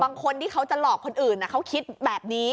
บางคนที่เขาจะหลอกคนอื่นเขาคิดแบบนี้